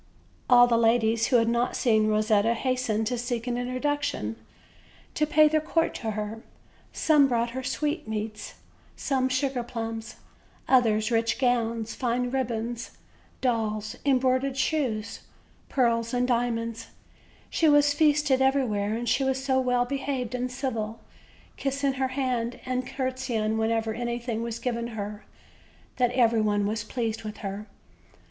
All the ladies who had not seen Eosetta hastened to seek an introduction, to pay their court to her; some brought her sweetmeats, some sugar plums, others rich gowns, fine ribbons, dolls, embroidered shoes, pearls and diamonds; she was feasted everywhere, and she was so well behaved and civil, kissing her hand and conrtesying whenever anything was given her, that every one was pleased with her.